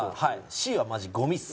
Ｃはマジゴミっす。